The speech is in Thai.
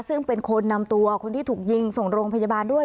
ซึ่งเป็นคนนำตัวคนที่ถูกยิงส่งโรงพยาบาลด้วย